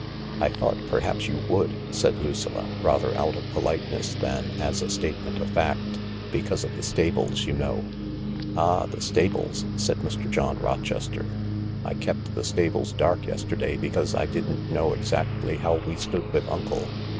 " I thought perhaps you would," said Lucilla, rather out of politeness than as a statement of fact, " because of the stables, you know." 11 Ah— the stables I " said Mr. John Rochester. " I kept the stables dark yesterday because I didn't know exactly how we stood with Uncle.